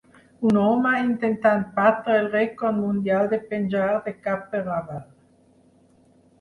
Un home intentant batre el rècord mundial de penjar de cap per avall.